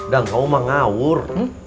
dan kamu mah ngawur